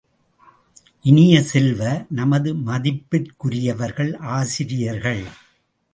இனிய செல்வ, நமது மதிப்பிற்குரியவர்கள் ஆசிரியர்கள்!